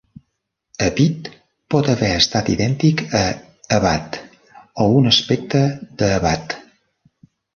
Hepit pot haver estat idèntic a Hebat o un aspecte de Hebat.